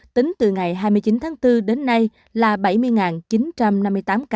tính từ ngày hai mươi chín tháng bốn đến nay là bảy mươi chín trăm năm mươi tám ca